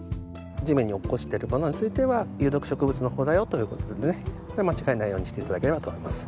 地面に落っこちているものについては有毒植物の方だよという事でね間違えないようにして頂ければと思います。